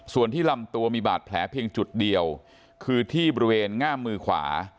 ส่วนที่ลำตัวมีบาดแผลเพียงจุดเดียวคือที่บริเวณง่ามมือขวา